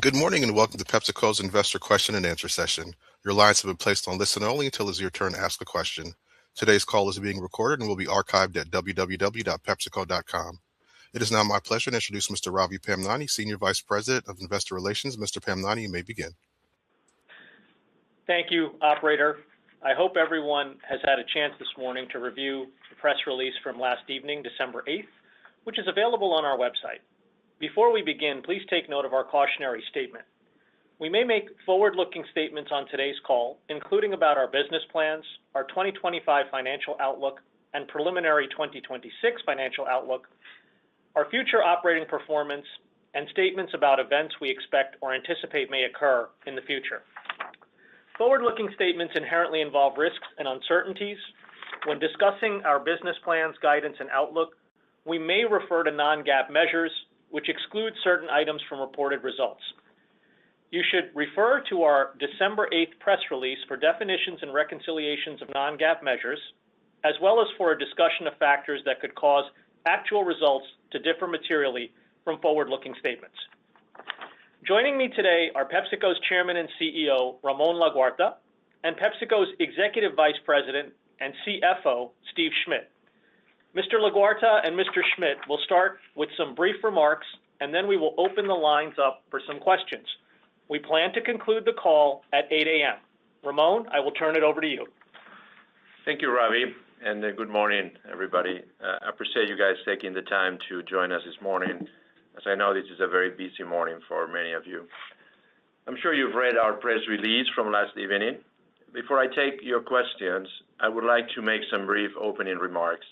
Good morning and welcome to PepsiCo's Investor Question and Answer session. Your lines have been placed on listen only until it is your turn to ask a question. Today's call is being recorded and will be archived at www.pepsico.com. It is now my pleasure to introduce Mr. Ravi Pamnani, Senior Vice President of Investor Relations. Mr. Pamnani, you may begin. Thank you, Operator. I hope everyone has had a chance this morning to review the press release from last evening, December 8th, which is available on our website. Before we begin, please take note of our cautionary statement. We may make forward-looking statements on today's call, including about our business plans, our 2025 financial outlook, and preliminary 2026 financial outlook, our future operating performance, and statements about events we expect or anticipate may occur in the future. Forward-looking statements inherently involve risks and uncertainties. When discussing our business plans, guidance, and outlook, we may refer to Non-GAAP measures, which exclude certain items from reported results. You should refer to our December 8th press release for definitions and reconciliations of Non-GAAP measures, as well as for a discussion of factors that could cause actual results to differ materially from forward-looking statements. Joining me today are PepsiCo's Chairman and CEO, Ramon Laguarta, and PepsiCo's Executive Vice President and CFO, Steve Schmitt. Mr. Laguarta and Mr. Schmitt will start with some brief remarks, and then we will open the lines up for some questions. We plan to conclude the call at 8:00 A.M. Ramon, I will turn it over to you. Thank you, Ravi, and good morning, everybody. I appreciate you guys taking the time to join us this morning. As I know, this is a very busy morning for many of you. I'm sure you've read our press release from last evening. Before I take your questions, I would like to make some brief opening remarks.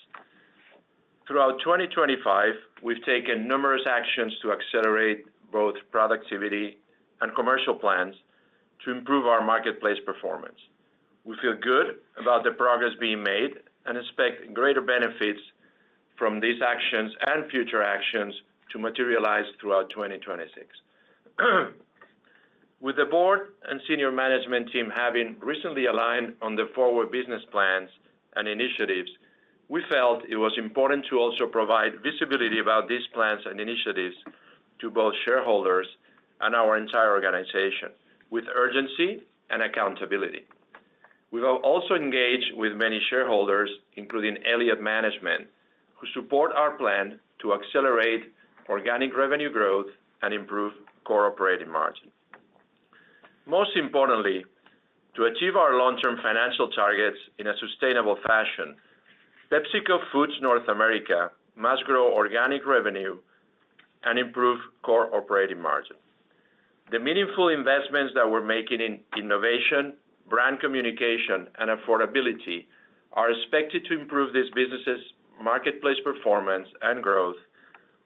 Throughout 2025, we've taken numerous actions to accelerate both productivity and commercial plans to improve our marketplace performance. We feel good about the progress being made and expect greater benefits from these actions and future actions to materialize throughout 2026. With the board and senior management team having recently aligned on the forward business plans and initiatives, we felt it was important to also provide visibility about these plans and initiatives to both shareholders and our entire organization with urgency and accountability. We've also engaged with many shareholders, including Elliott Management, who support our plan to accelerate organic revenue growth and improve core operating margin. Most importantly, to achieve our long-term financial targets in a sustainable fashion, PepsiCo Foods North America must grow organic revenue and improve core operating margin. The meaningful investments that we're making in innovation, brand communication, and affordability are expected to improve this business's marketplace performance and growth,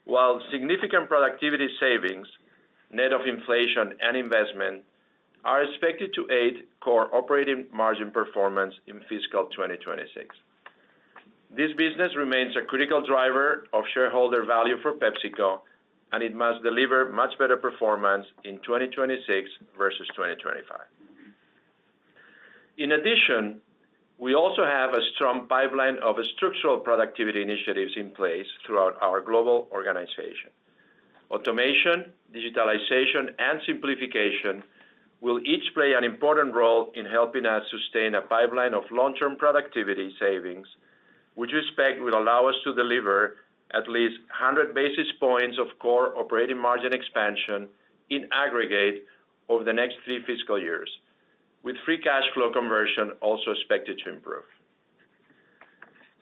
while significant productivity savings, net of inflation and investment, are expected to aid core operating margin performance in fiscal 2026. This business remains a critical driver of shareholder value for PepsiCo, and it must deliver much better performance in 2026 versus 2025. In addition, we also have a strong pipeline of structural productivity initiatives in place throughout our global organization. Automation, digitalization, and simplification will each play an important role in helping us sustain a pipeline of long-term productivity savings, which we expect will allow us to deliver at least 100 basis points of core operating margin expansion in aggregate over the next three fiscal years, with free cash flow conversion also expected to improve.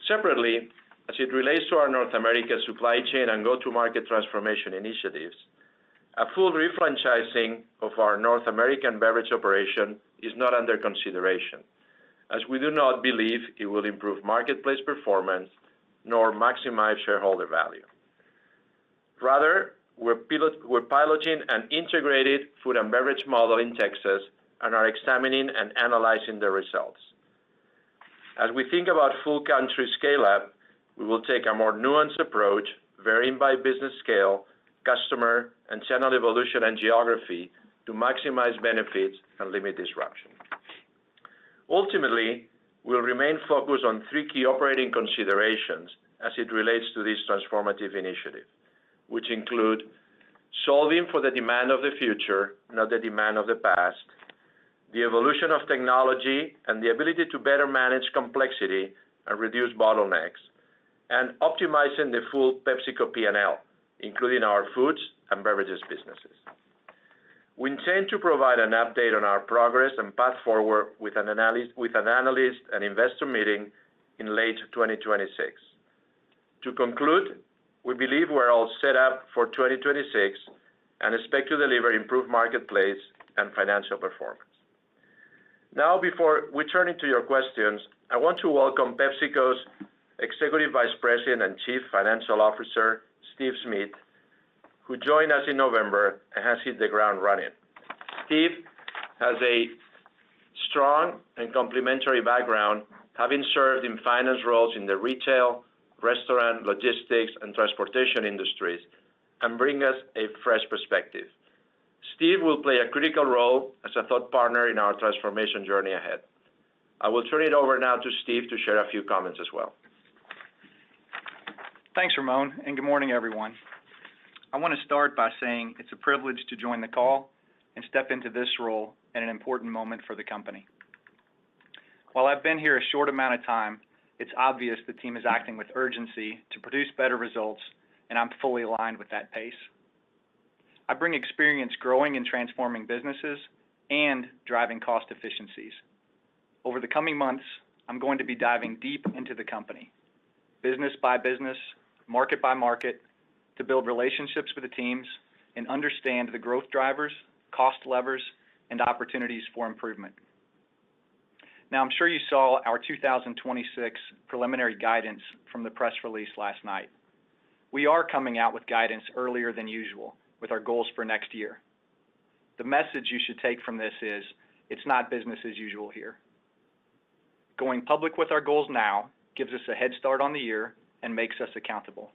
Separately, as it relates to our North America supply chain and go-to-market transformation initiatives, a full re-franchising of our North American beverage operation is not under consideration, as we do not believe it will improve marketplace performance nor maximize shareholder value. Rather, we're piloting an integrated food and beverage model in Texas and are examining and analyzing the results. As we think about full country scale-up, we will take a more nuanced approach, varying by business scale, customer, and channel evolution and geography to maximize benefits and limit disruption. Ultimately, we'll remain focused on three key operating considerations as it relates to this transformative initiative, which include solving for the demand of the future, not the demand of the past, the evolution of technology and the ability to better manage complexity and reduce bottlenecks, and optimizing the full PepsiCo P&L, including our foods and beverages businesses. We intend to provide an update on our progress and path forward with an analyst and investor meeting in late 2026. To conclude, we believe we're all set up for 2026 and expect to deliver improved marketplace and financial performance. Now, before we turn it to your questions, I want to welcome PepsiCo's Executive Vice President and Chief Financial Officer, Steve Schmitt, who joined us in November and has hit the ground running. Steve has a strong and complementary background, having served in finance roles in the retail, restaurant, logistics, and transportation industries, and brings us a fresh perspective. Steve will play a critical role as a thought partner in our transformation journey ahead. I will turn it over now to Steve to share a few comments as well. Thanks, Ramon, and good morning, everyone. I want to start by saying it's a privilege to join the call and step into this role at an important moment for the company. While I've been here a short amount of time, it's obvious the team is acting with urgency to produce better results, and I'm fully aligned with that pace. I bring experience growing and transforming businesses and driving cost efficiencies. Over the coming months, I'm going to be diving deep into the company, business by business, market by market, to build relationships with the teams and understand the growth drivers, cost levers, and opportunities for improvement. Now, I'm sure you saw our 2026 preliminary guidance from the press release last night. We are coming out with guidance earlier than usual with our goals for next year. The message you should take from this is it's not business as usual here. Going public with our goals now gives us a head start on the year and makes us accountable.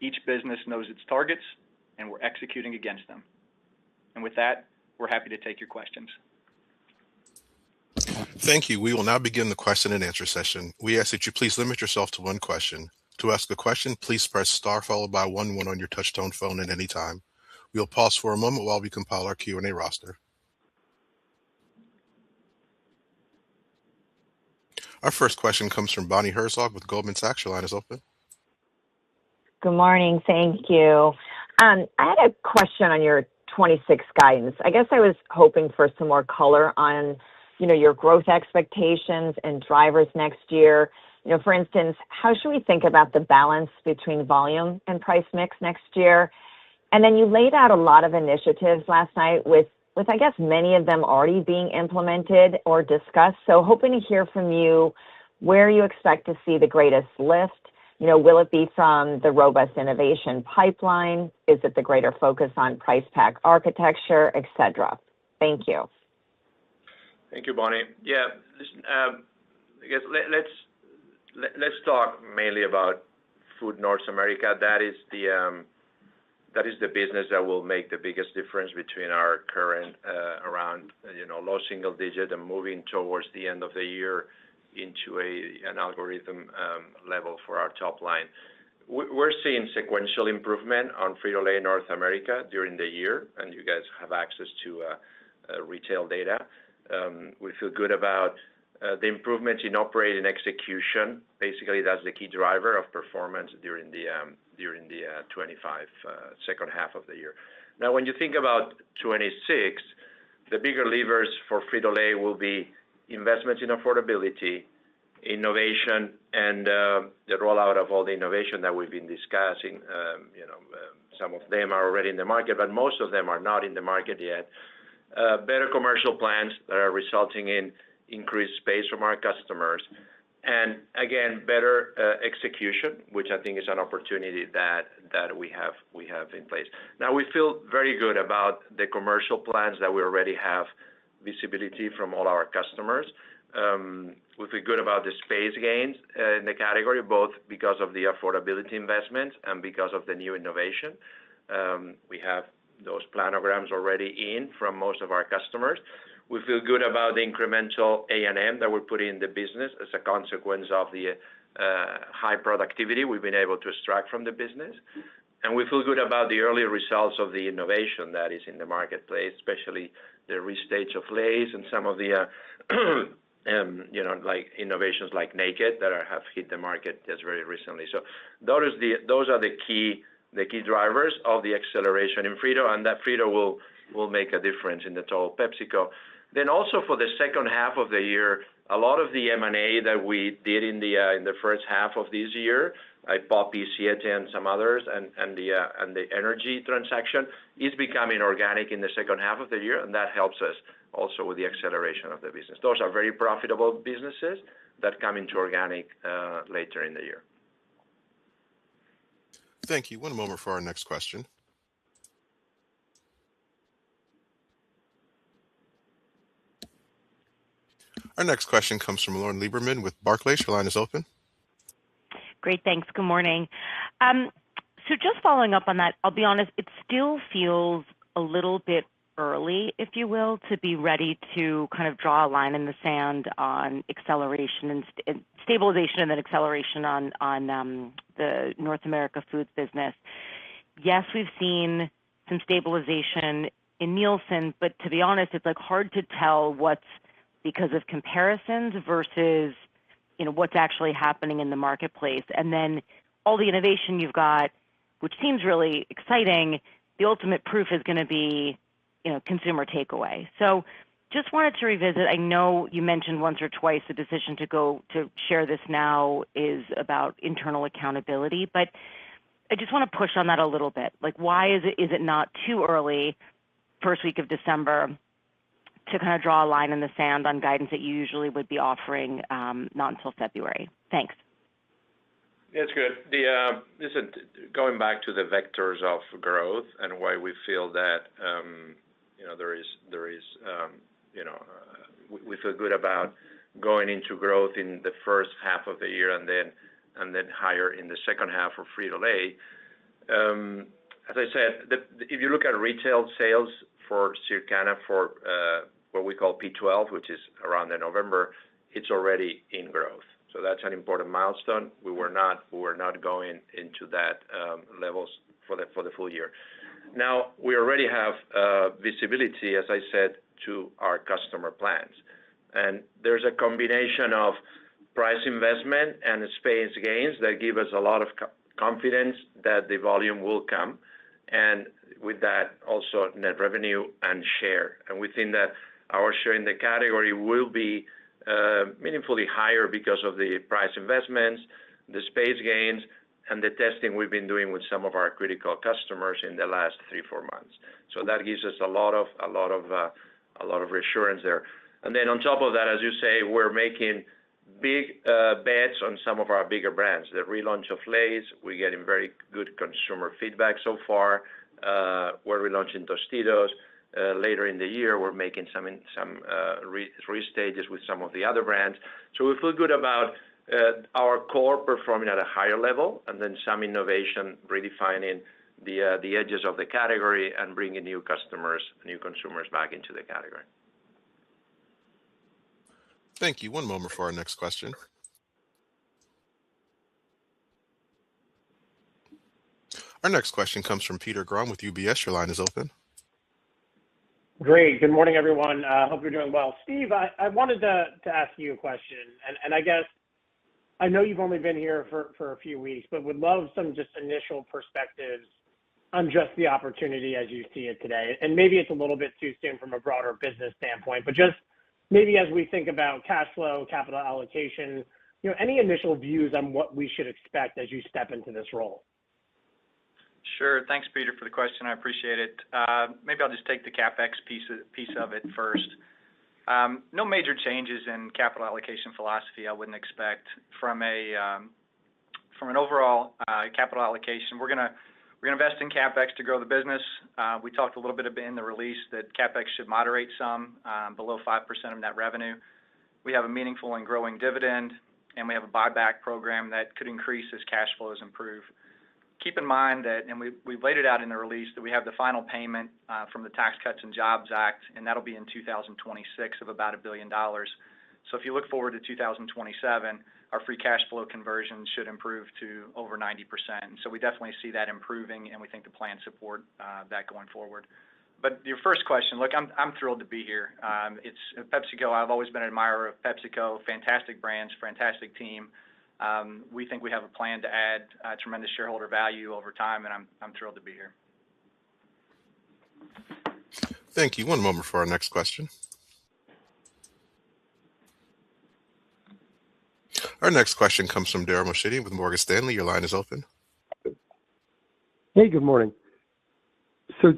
Each business knows its targets, and we're executing against them. And with that, we're happy to take your questions. Thank you. We will now begin the question and answer session. We ask that you please limit yourself to one question. To ask a question, please press star followed by one one on your touch-tone phone at any time. We'll pause for a moment while we compile our Q&A roster. Our first question comes from Bonnie Herzog with Goldman Sachs. Your line is open. Good morning. Thank you. I had a question on your 2026 guidance. I guess I was hoping for some more color on your growth expectations and drivers next year. For instance, how should we think about the balance between volume and price mix next year? And then you laid out a lot of initiatives last night, with, I guess, many of them already being implemented or discussed. So hoping to hear from you where you expect to see the greatest lift. Will it be from the robust innovation pipeline? Is it the greater focus on price pack architecture, etc.? Thank you. Thank you, Bonnie. Yeah, I guess let's talk mainly about Food North America. That is the business that will make the biggest difference between our current around low single digit and moving towards the end of the year into a mid-single-digit level for our top line. We're seeing sequential improvement in Frito-Lay North America during the year, and you guys have access to retail data. We feel good about the improvements in operating execution. Basically, that's the key driver of performance during the 2025 second half of the year. Now, when you think about 2026, the bigger levers for Frito-Lay will be investments in affordability, innovation, and the rollout of all the innovation that we've been discussing. Some of them are already in the market, but most of them are not in the market yet. Better commercial plans that are resulting in increased space from our customers. Again, better execution, which I think is an opportunity that we have in place. Now, we feel very good about the commercial plans that we already have visibility from all our customers. We feel good about the space gains in the category, both because of the affordability investments and because of the new innovation. We have those planograms already in from most of our customers. We feel good about the incremental A&M that we're putting in the business as a consequence of the high productivity we've been able to extract from the business. And we feel good about the early results of the innovation that is in the marketplace, especially the restages of Lay's and some of the innovations like Baked that have hit the market just very recently. So those are the key drivers of the acceleration in Frito, and that Frito will make a difference in the total PepsiCo. Then also for the second half of the year, a lot of the M&A that we did in the first half of this year, I bought BFY and some others, and the energy transaction is becoming organic in the second half of the year, and that helps us also with the acceleration of the business. Those are very profitable businesses that come into organic later in the year. Thank you. One moment for our next question. Our next question comes from Lauren Lieberman with Barclays. Your line is open. Great. Thanks. Good morning. So just following up on that, I'll be honest, it still feels a little bit early, if you will, to be ready to kind of draw a line in the sand on acceleration and stabilization and then acceleration on the North America Foods business. Yes, we've seen some stabilization in Nielsen, but to be honest, it's hard to tell what's because of comparisons versus what's actually happening in the marketplace. And then all the innovation you've got, which seems really exciting, the ultimate proof is going to be consumer takeaway. So just wanted to revisit. I know you mentioned once or twice the decision to share this now is about internal accountability, but I just want to push on that a little bit. Why is it not too early, first week of December, to kind of draw a line in the sand on guidance that you usually would be offering not until February? Thanks. That's good. Listen, going back to the vectors of growth and why we feel good about going into growth in the first half of the year and then higher in the second half of Frito-Lay. As I said, if you look at retail sales for Circana for what we call P12, which is around in November, it's already in growth. So that's an important milestone. We were not going into that levels for the full year. Now, we already have visibility, as I said, to our customer plans. And there's a combination of price investment and space gains that give us a lot of confidence that the volume will come. And with that, also net revenue and share. And we think that our share in the category will be meaningfully higher because of the price investments, the space gains, and the testing we've been doing with some of our critical customers in the last three, four months. So that gives us a lot of reassurance there. And then on top of that, as you say, we're making big bets on some of our bigger brands. The relaunch of Lay's, we're getting very good consumer feedback so far. We're relaunching Tostitos. Later in the year, we're making some restages with some of the other brands. So we feel good about our core performing at a higher level and then some innovation redefining the edges of the category and bringing new customers, new consumers back into the category. Thank you. One moment for our next question. Our next question comes from Peter Grom with UBS. Your line is open. Great. Good morning, everyone. I hope you're doing well. Steve, I wanted to ask you a question. And I guess I know you've only been here for a few weeks, but would love some just initial perspectives on just the opportunity as you see it today. And maybe it's a little bit too soon from a broader business standpoint, but just maybe as we think about cash flow, capital allocation, any initial views on what we should expect as you step into this role? Sure. Thanks, Peter, for the question. I appreciate it. Maybe I'll just take the CapEx piece of it first. No major changes in capital allocation philosophy I wouldn't expect from an overall capital allocation. We're going to invest in CapEx to grow the business. We talked a little bit in the release that CapEx should moderate some below 5% of net revenue. We have a meaningful and growing dividend, and we have a buyback program that could increase as cash flows improve. Keep in mind that, and we laid it out in the release, that we have the final payment from the Tax Cuts and Jobs Act, and that'll be in 2026 of about $1 billion. So if you look forward to 2027, our free cash flow conversion should improve to over 90%. So we definitely see that improving, and we think the plan supports that going forward. But your first question, look, I'm thrilled to be here. It's PepsiCo. I've always been an admirer of PepsiCo. Fantastic brands, fantastic team. We think we have a plan to add tremendous shareholder value over time, and I'm thrilled to be here. Thank you. One moment for our next question. Our next question comes from Dara Mohsenian with Morgan Stanley. Your line is open. Hey, good morning. Steve,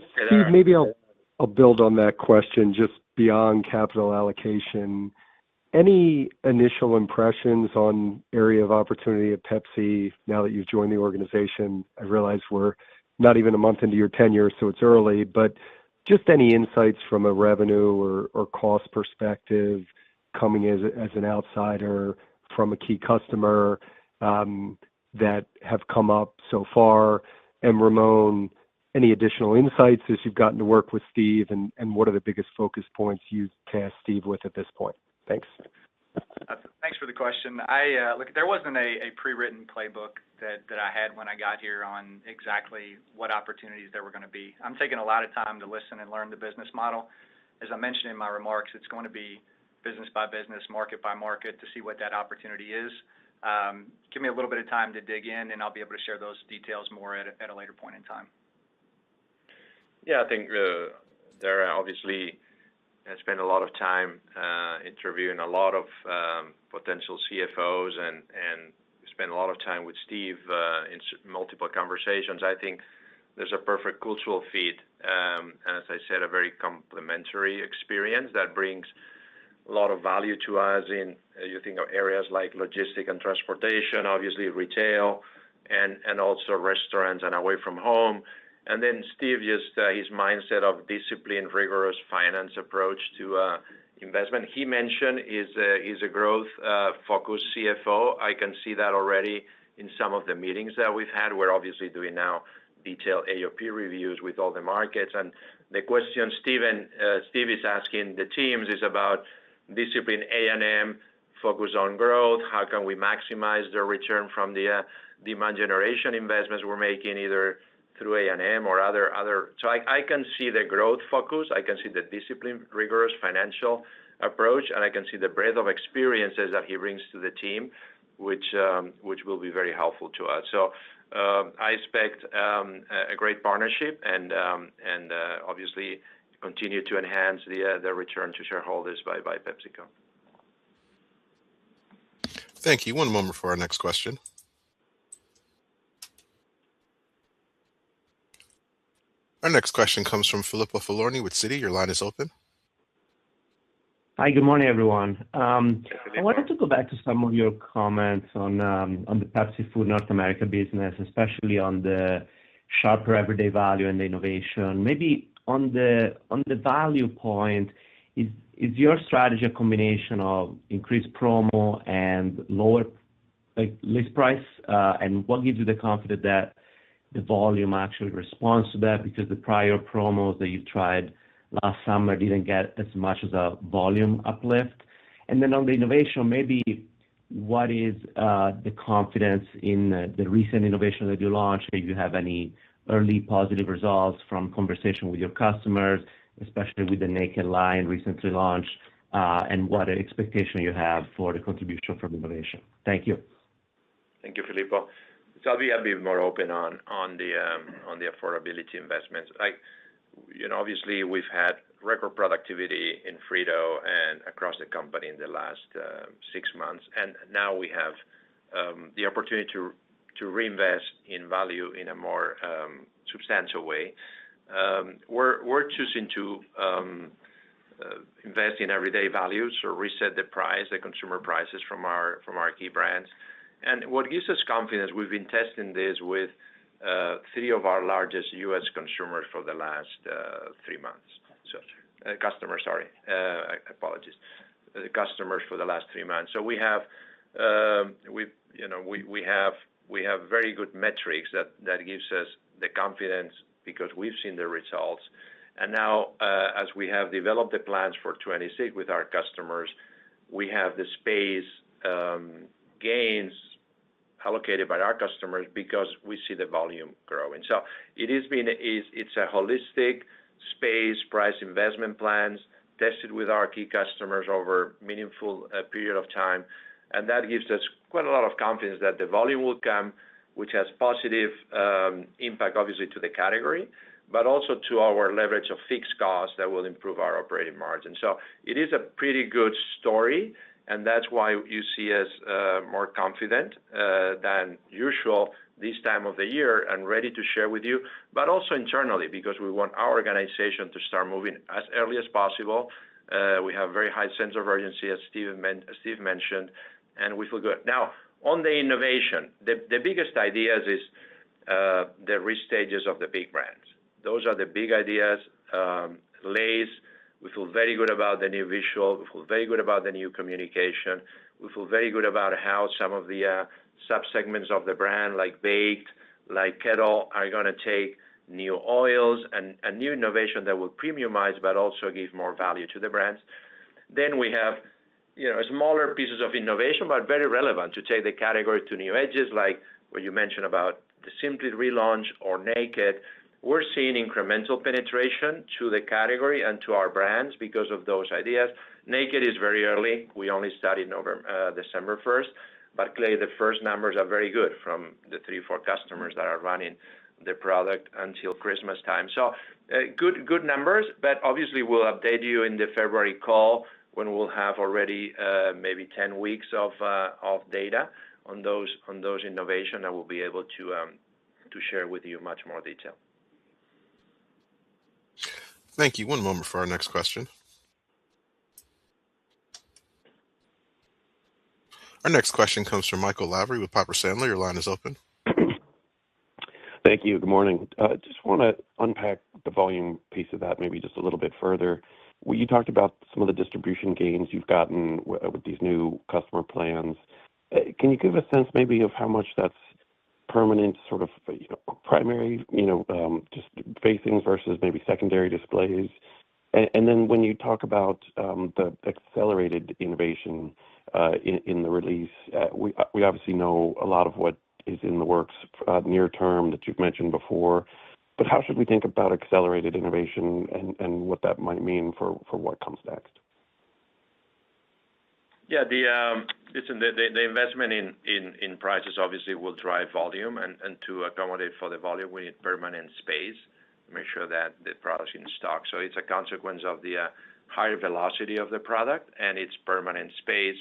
maybe I'll build on that question just beyond capital allocation. Any initial impressions on the area of opportunity at Pepsi now that you've joined the organization? I realize we're not even a month into your tenure, so it's early, but just any insights from a revenue or cost perspective coming as an outsider from a key customer that have come up so far? Ramon, any additional insights as you've gotten to work with Steve, and what are the biggest focus points you'd task Steve with at this point? Thanks. Thanks for the question. Look, there wasn't a pre-written playbook that I had when I got here on exactly what opportunities there were going to be. I'm taking a lot of time to listen and learn the business model. As I mentioned in my remarks, it's going to be business by business, market by market to see what that opportunity is. Give me a little bit of time to dig in, and I'll be able to share those details more at a later point in time. Yeah, I think Dara obviously has spent a lot of time interviewing a lot of potential CFOs and spent a lot of time with Steve in multiple conversations. I think there's a perfect cultural fit, and as I said, a very complementary experience that brings a lot of value to us in, you know, areas like logistics and transportation, obviously retail, and also restaurants and away from home, and then Steve, just his mindset of discipline, rigorous finance approach to investment, he mentioned is a growth-focused CFO. I can see that already in some of the meetings that we've had. We're obviously doing now detailed AOP reviews with all the markets, and the question Steve is asking the teams is about discipline, A&M, focus on growth. How can we maximize the return from the demand generation investments we're making either through A&M or other? So I can see the growth focus. I can see the discipline, rigorous financial approach, and I can see the breadth of experiences that he brings to the team, which will be very helpful to us. So I expect a great partnership and obviously continue to enhance the return to shareholders by PepsiCo. Thank you. One moment for our next question. Our next question comes from Filippo Falorni with Citi. Your line is open. Hi, good morning, everyone. I wanted to go back to some of your comments on the Pepsi Food North America business, especially on the sharper everyday value and the innovation. Maybe on the value point, is your strategy a combination of increased promo and lower list price? And what gives you the confidence that the volume actually responds to that because the prior promos that you've tried last summer didn't get as much of a volume uplift? And then on the innovation, maybe what is the confidence in the recent innovation that you launched? Do you have any early positive results from conversation with your customers, especially with the Baked line recently launched, and what expectation you have for the contribution from innovation? Thank you. Thank you, Filippo. So I'll be more open on the affordability investments. Obviously, we've had record productivity in Frito and across the company in the last six months. And now we have the opportunity to reinvest in value in a more substantial way. We're choosing to invest in everyday values or reset the price, the consumer prices from our key brands. And what gives us confidence? We've been testing this with three of our largest U.S. consumers for the last three months. Customers, sorry. Apologies. Customers for the last three months. So we have very good metrics that give us the confidence because we've seen the results. And now, as we have developed the plans for 2026 with our customers, we have the space gains allocated by our customers because we see the volume growing. So it's a holistic space price investment plans tested with our key customers over a meaningful period of time. And that gives us quite a lot of confidence that the volume will come, which has positive impact, obviously, to the category, but also to our leverage of fixed costs that will improve our operating margin. So it is a pretty good story, and that's why you see us more confident than usual this time of the year and ready to share with you, but also internally because we want our organization to start moving as early as possible. We have a very high sense of urgency, as Steve mentioned, and we feel good. Now, on the innovation, the biggest ideas is the restages of the big brands. Those are the big ideas. Lay's, we feel very good about the new visual. We feel very good about the new communication. We feel very good about how some of the subsegments of the brand, like Baked, like Kettle, are going to take new oils and new innovation that will premiumize but also give more value to the brands. Then we have smaller pieces of innovation, but very relevant to take the category to new edges, like what you mentioned about the Simply relaunch or Baked. We're seeing incremental penetration to the category and to our brands because of those ideas. Baked is very early. We only started December 1st, but clearly the first numbers are very good from the three, four customers that are running the product until Christmas time. So good numbers, but obviously, we'll update you in the February call when we'll have already maybe 10 weeks of data on those innovations that we'll be able to share with you in much more detail. Thank you. One moment for our next question. Our next question comes from Michael Lavery with Piper Sandler. Your line is open. Thank you. Good morning. I just want to unpack the volume piece of that maybe just a little bit further. You talked about some of the distribution gains you've gotten with these new customer plans. Can you give a sense maybe of how much that's permanent, sort of primary, just facings versus maybe secondary displays? And then when you talk about the accelerated innovation in the release, we obviously know a lot of what is in the works near term that you've mentioned before, but how should we think about accelerated innovation and what that might mean for what comes next? Yeah. Listen, the investment in prices obviously will drive volume. And to accommodate for the volume, we need permanent space to make sure that the product's in stock. So it's a consequence of the higher velocity of the product and its permanent space.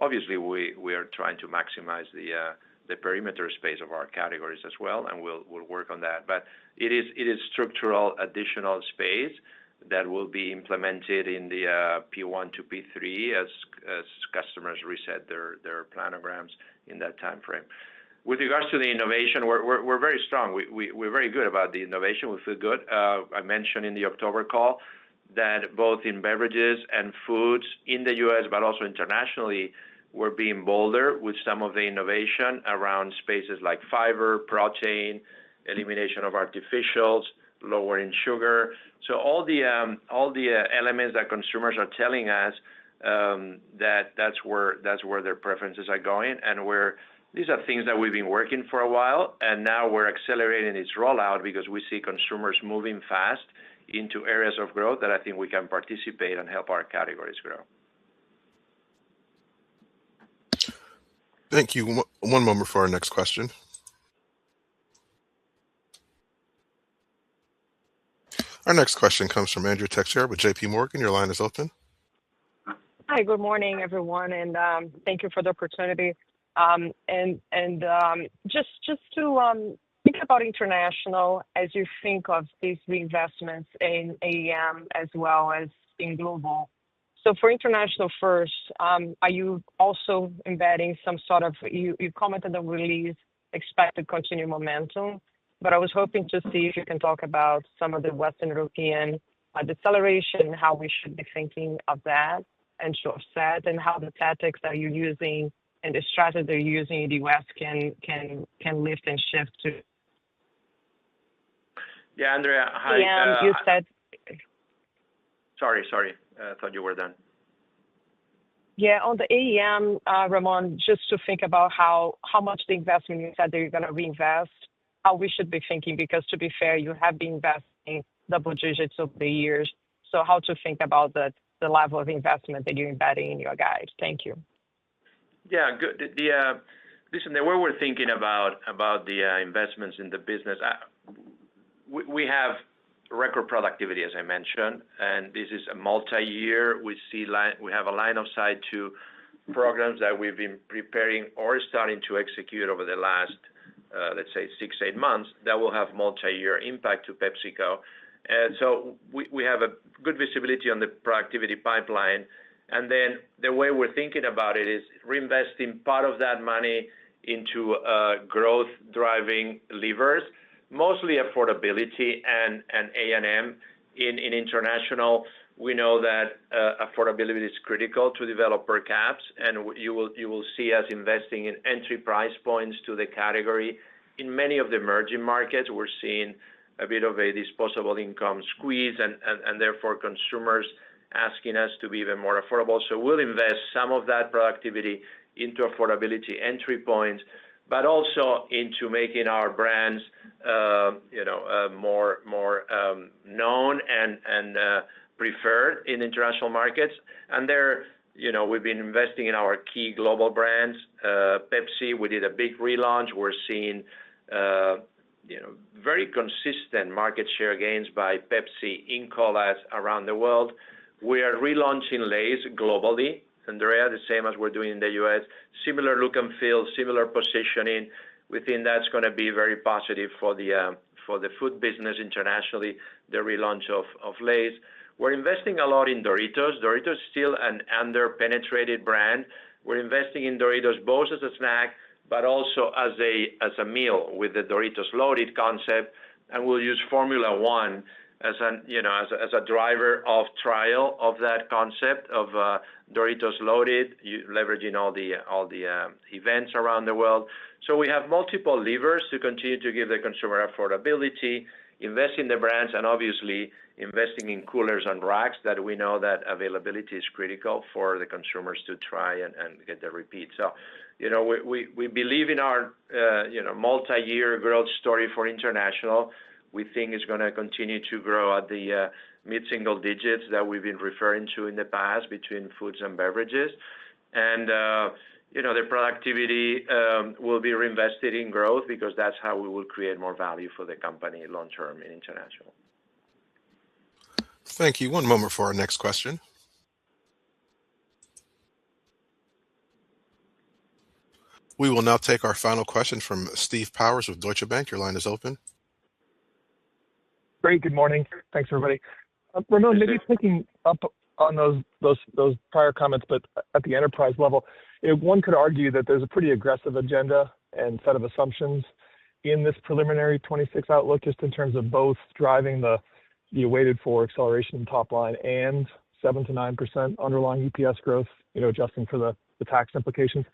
Obviously, we are trying to maximize the perimeter space of our categories as well, and we'll work on that. But it is structural additional space that will be implemented in the P1-P3 as customers reset their planograms in that timeframe. With regards to the innovation, we're very strong. We're very good about the innovation. We feel good. I mentioned in the October call that both in beverages and foods in the U.S., but also internationally, we're being bolder with some of the innovation around spaces like fiber, protein, elimination of artificials, lowering sugar. All the elements that consumers are telling us, that's where their preferences are going. These are things that we've been working for a while, and now we're accelerating its rollout because we see consumers moving fast into areas of growth that I think we can participate and help our categories grow. Thank you. One moment for our next question. Our next question comes from Andrea Teixeira with JPMorgan. Your line is open. Hi, good morning, everyone, and thank you for the opportunity. And just to think about international as you think of these reinvestments in A&M as well as in global. So for international first, are you also embedding some sort of you commented on release, expected continued momentum, but I was hoping to see if you can talk about some of the Western Europe deceleration, how we should be thinking of that and short said, and how the tactics that you're using and the strategy that you're using in the U.S. can lift and shift to? Yeah, Andrea, hi. Yeah, you said. Sorry, sorry. I thought you were done. Yeah. On the A&M, Ramon, just to think about how much the investment you said that you're going to reinvest, how we should be thinking because to be fair, you have been investing double digits over the years. So how to think about the level of investment that you're embedding in your guide? Thank you. Yeah. Listen, the way we're thinking about the investments in the business, we have record productivity, as I mentioned, and this is a multi-year. We have a line of sight to programs that we've been preparing or starting to execute over the last, let's say, six, eight months that will have multi-year impact to PepsiCo. So we have a good visibility on the productivity pipeline. And then the way we're thinking about it is reinvesting part of that money into growth-driving levers, mostly affordability and A&M. In international, we know that affordability is critical to develop per caps, and you will see us investing in entry price points to the category. In many of the emerging markets, we're seeing a bit of a disposable income squeeze, and therefore consumers asking us to be even more affordable. We'll invest some of that productivity into affordability entry points, but also into making our brands more known and preferred in international markets. We've been investing in our key global brands, Pepsi. We did a big relaunch. We're seeing very consistent market share gains by Pepsi in outlets around the world. We are relaunching Lay's globally, Andrea, the same as we're doing in the U.S. similar look and feel, similar positioning. Within that, that's going to be very positive for the food business internationally, the relaunch of Lay's. We're investing a lot in Doritos. Doritos is still an under-penetrated brand. We're investing in Doritos both as a snack, but also as a meal with the Doritos Loaded concept. We'll use Formula One as a driver of trial of that concept of Doritos Loaded, leveraging all the events around the world. So we have multiple levers to continue to give the consumer affordability, invest in the brands, and obviously investing in coolers and racks that we know that availability is critical for the consumers to try and get the repeat. So we believe in our multi-year growth story for international. We think it's going to continue to grow at the mid-single digits that we've been referring to in the past between foods and beverages. And the productivity will be reinvested in growth because that's how we will create more value for the company long-term in international. Thank you. One moment for our next question. We will now take our final question from Steve Powers with Deutsche Bank. Your line is open. Great. Good morning. Thanks, everybody. Ramon, maybe picking up on those prior comments, but at the enterprise level, one could argue that there's a pretty aggressive agenda and set of assumptions in this preliminary 2026 outlook just in terms of both driving the awaited for acceleration in top line and 7%-9% underlying EPS growth, adjusting for the tax implications.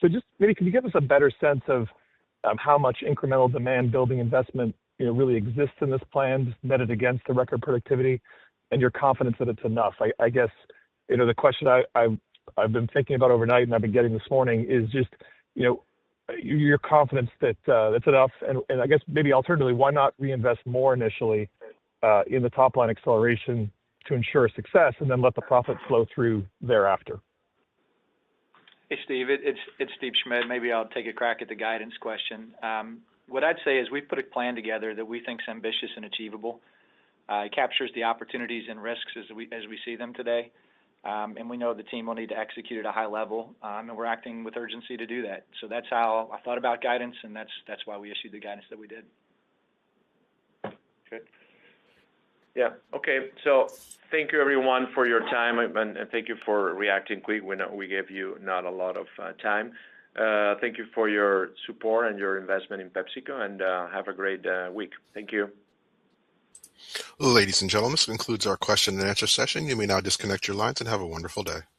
So just maybe can you give us a better sense of how much incremental demand-building investment really exists in this plan, net it against the record productivity and your confidence that it's enough? I guess the question I've been thinking about overnight and I've been getting this morning is just your confidence that it's enough, and I guess maybe alternatively, why not reinvest more initially in the top line acceleration to ensure success and then let the profit flow through thereafter? Hey, Steve. It's Steve Schmitt. Maybe I'll take a crack at the guidance question. What I'd say is we've put a plan together that we think is ambitious and achievable. It captures the opportunities and risks as we see them today, and we know the team will need to execute at a high level, and we're acting with urgency to do that, so that's how I thought about guidance, and that's why we issued the guidance that we did. Okay. Yeah. Okay. So thank you, everyone, for your time, and thank you for reacting quick. We gave you not a lot of time. Thank you for your support and your investment in PepsiCo, and have a great week. Thank you. Ladies and gentlemen, this concludes our question and answer session. You may now disconnect your lines and have a wonderful day.